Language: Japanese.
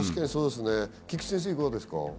菊地先生はいかがですか？